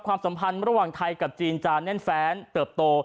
สัมพันธ์ระหว่างไทยกับจีนจะแน่นแฟนเติบโต